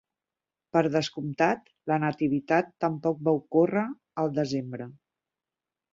Per descomptat, la Nativitat tampoc va ocórrer al desembre.